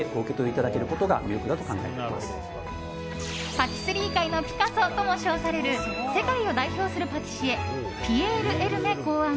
パティスリー界のピカソとも称される世界を代表するパティシエピエール・エルメ考案